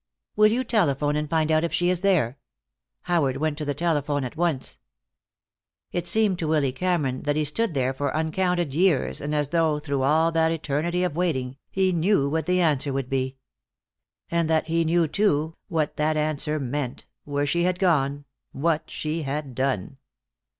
"Will you telephone and find out if she is there?" Howard went to the telephone at once. It seemed to Willy Cameron that he stood there for uncounted years, and as though, through all that eternity of waiting, he knew what the answer would be. And that he knew, too, what that answer meant, where she had gone, what she had done.